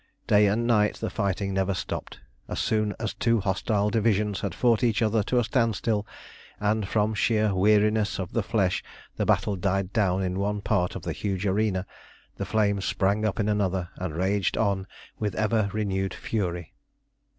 Day and night the fighting never stopped. As soon as two hostile divisions had fought each other to a standstill, and from sheer weariness of the flesh the battle died down in one part of the huge arena, the flame sprang up in another, and raged on with ever renewed fury.